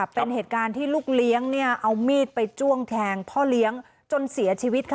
เป็นเหตุการณ์ที่ลูกเลี้ยงเอามีดไปจ้วงแทงพ่อเลี้ยงจนเสียชีวิตค่ะ